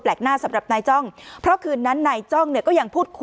หน้าสำหรับนายจ้องเพราะคืนนั้นนายจ้องเนี่ยก็ยังพูดคุย